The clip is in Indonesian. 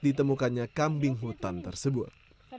ditemukannya kambing hutan tersebut